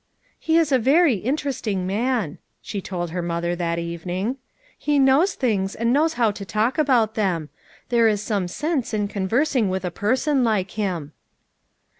"He is a very interesting man/ 5 she told her mother that evening. "He knows things, and knows how to talk about them. There is some sense in conversing with a person like him.